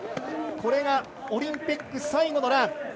これがオリンピック最後のラン。